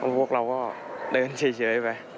พวกเราก็เดินเฉยไป